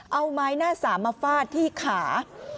เอาไม้หน้าสามมาฟาดที่ขา